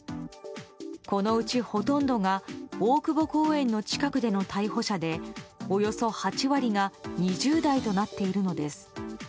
このうち、ほとんどが大久保公園の近くでの逮捕者でおよそ８割が２０代となっているのです。